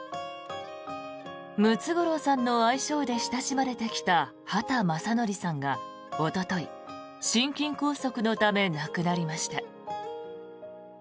ムツゴロウさんの愛称で親しまれてきた畑正憲さんがおととい、心筋梗塞のため亡くなりました。